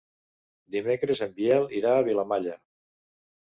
Dimecres en Biel irà a Vilamalla.